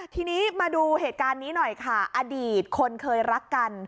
ทีนี้มาดูเหตุการณ์นี้หน่อยค่ะอดีตคนเคยรักกัน